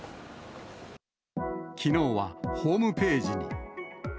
きのうはホームページに。